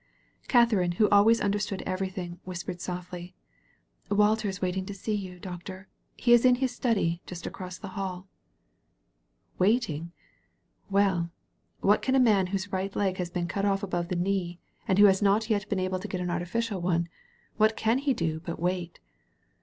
Katharine, who always understood everything, whispered softly: "Walter is waiting to see you. Doctor. He is in his study, just across the hall." Waiting? Well, what can a man whose right leg has been cut off above the knee, and who has 232 THE HERO not yet been able to get an artificial one — ^what can he do but wait?